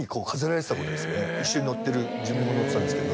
一緒に載ってる自分も載ってたんですけど。